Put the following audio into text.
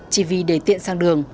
chỉ vì để tiện sang đường